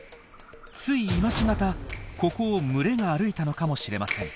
つい今し方ここを群れが歩いたのかもしれません。